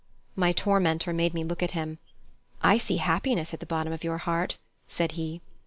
My tormentor made me look at him. "I see happiness at the bottom of your heart," said he.